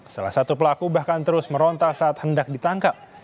salah satu pelaku bahkan terus meronta saat hendak ditangkap